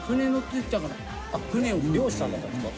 イ髻漁師さんだったんですか？